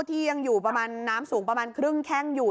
ที่ยังอยู่ประมาณน้ำสูงประมาณครึ่งแข้งอยู่